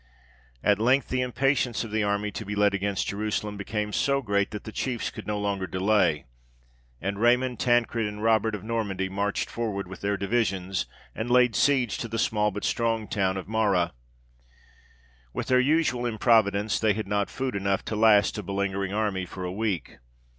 At length the impatience of the army to be led against Jerusalem became so great that the chiefs could no longer delay, and Raymond, Tancred, and Robert of Normandy marched forward with their divisions, and laid siege to the small but strong town of Marah. With their usual improvidence, they had not food enough to last a beleaguering army for a week.